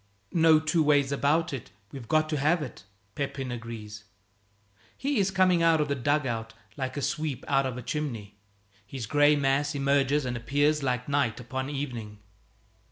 "No two ways about it, we've got to have it," Pepin agrees. He is coming out of a dug out like a sweep out of a chimney. His gray mass emerges and appears, like night upon evening.